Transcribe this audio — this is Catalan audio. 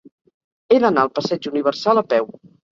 He d'anar al passeig Universal a peu.